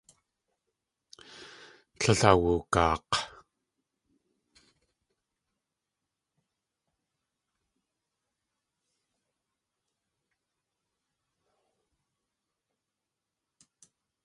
Tlél awugaak̲.